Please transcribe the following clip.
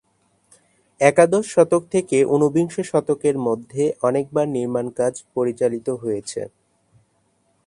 একাদশ শতক থেকে ঊনবিংশ শতকের মধ্যে অনেকবার নির্মাণকাজ পরিচালিত হয়েছে।